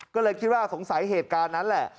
ก็เลยคิดว่าสงสัยเหตุการณ์นั้นแหละ